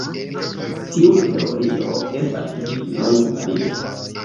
Tiu teorio estas ĝis nun valida.